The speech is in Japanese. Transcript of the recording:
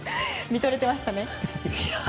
みとれていましたね。